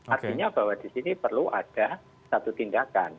artinya bahwa di sini perlu ada satu tindakan